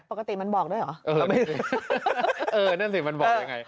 ปกติมันบอกด้วยเหรอเออไม่มีเออนั่นสิมันบอกยังไง